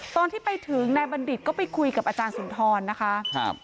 ตอนที่ไปถึงนายบัณฑิตก็ไปคุยกับอาจารย์สุนทรนะคะ